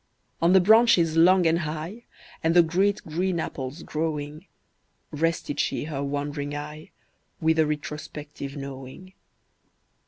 On the branches long and high, And the great green apples growing, Rested she her wandering eye, With a retrospective knowing.